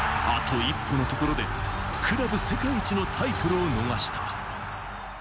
あと一歩のところで、クラブ世界一のタイトルを逃した。